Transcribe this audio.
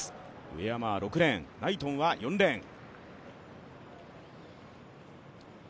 上山は６レーンナイトンは４レーン。